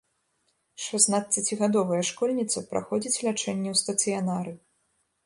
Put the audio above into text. Шаснаццацігадовая школьніца праходзіць лячэнне ў стацыянары.